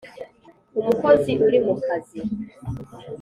umukozi uri mu kazi